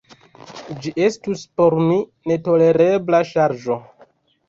Ĝi estus por mi netolerebla ŝarĝo.